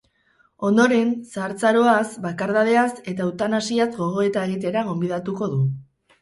Ondoren, zahartzaroaz, bakardadeaz eta eutanasiaz gogoeta egitera gonbidatuko du.